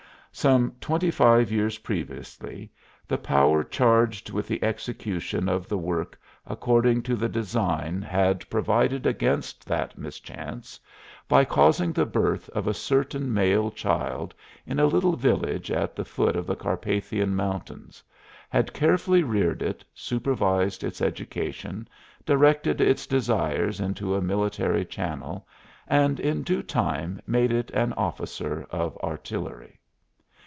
Some twenty five years previously the Power charged with the execution of the work according to the design had provided against that mischance by causing the birth of a certain male child in a little village at the foot of the Carpathian Mountains, had carefully reared it, supervised its education, directed its desires into a military channel, and in due time made it an officer of artillery.